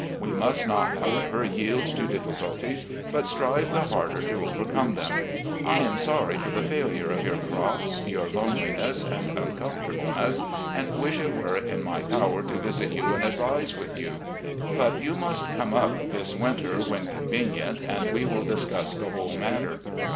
We must not, however, yield to difficulties, but strive the harder to overcome them. I am sorry for 282 RECOLLECTIONS OP GENERAL LEE the failure of your crops, your loneliness and uncom fortableness, and wish it were in my power to visit you and advise with you. But you must come up this winter, when convenient, and we will discuss the whole matter.